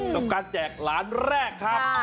แล้วการแจกหลานแรกครับ